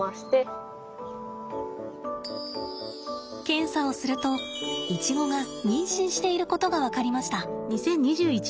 検査をするとイチゴが妊娠していることが分かりました。